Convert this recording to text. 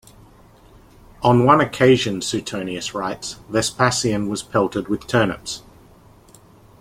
On one occasion, Suetonius writes, Vespasian was pelted with turnips.